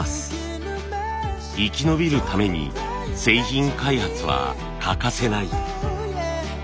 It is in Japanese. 生き延びるために製品開発は欠かせない。